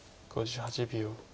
５８秒。